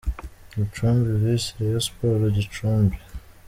Gicumbi vs Rayon Sports - Gicumbi.